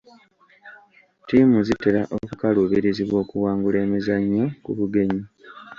Ttiimu zitera okukaluubirizibwa okuwangula emizannyo ku bugenyi.